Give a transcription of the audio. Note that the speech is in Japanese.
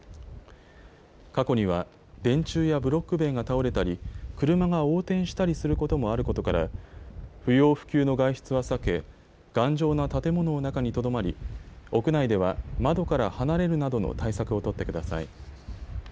過去には電柱やブロック塀が倒れたり車が横転したりすることもあることから不要不急の外出は避け頑丈な建物の中にとどまり屋内では窓から離れるなどの対策を取ってください。